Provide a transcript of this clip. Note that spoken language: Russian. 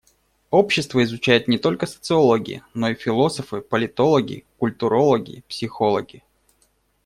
Общество изучают не только социологи, но и философы, политологи, культурологи, психологи.